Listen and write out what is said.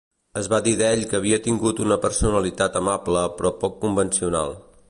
Es va dir d 'ell que havia tingut una personalitat amable però poc convencional.